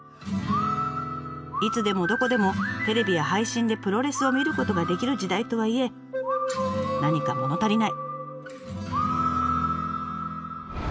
いつでもどこでもテレビや配信でプロレスを見ることができる時代とはいえ何かもの足りない。